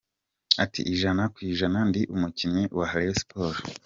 Ati “Ijana ku ijana ndi umukinnyi wa Rayon Sports.